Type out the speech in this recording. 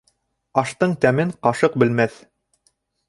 Аштың тәмен ҡашыҡ белмәҫ.